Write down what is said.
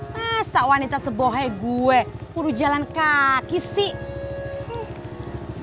masa wanita sebohai gue perlu jalan kaki sih